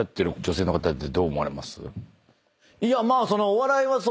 いやまあ。